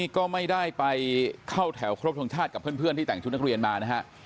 ก็ไม่ได้ไปเข้าแถวครบทรงชาติกับเพื่อนที่แต่งชุดนักเรียนมานะฮะ